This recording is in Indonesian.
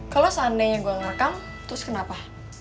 kalau seandainya gue ngerekam terus kenapa